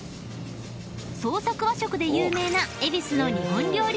［創作和食で有名な恵比寿の日本料理店